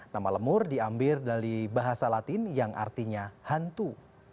nama lemur diambil dari bahasa latin yang artinya hantu